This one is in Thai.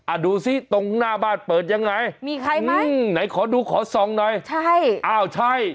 อ้าวดูสิตรงหน้าบ้านเปิดอย่างไรไหนขอดูขอส่องหน่อยมีใครไหม